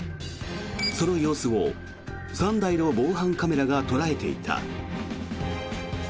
その様子を３台の防犯カメラが捉えていた。